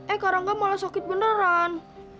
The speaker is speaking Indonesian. eh karangga malah sakit beneran